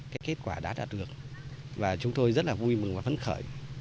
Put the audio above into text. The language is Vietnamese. cái kết quả đã đạt được và chúng tôi rất là vui mừng và phấn khởi